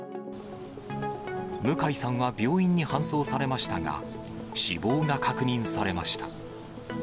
向井さんは病院に搬送されましたが、死亡が確認されました。